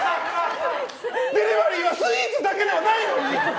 デリバリーはスイーツだけではないのに！